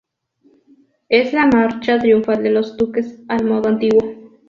Es la marcha triunfal de los duques al modo antiguo.